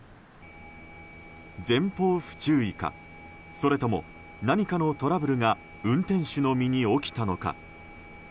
前方不注意か、それとも何かのトラブルが運転手の身に起きたのか。